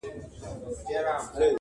• ګوزاره دي په دې لږو پیسو کیږي؟ -